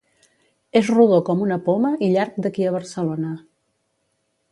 És rodó com una poma i llarg d'aquí a Barcelona.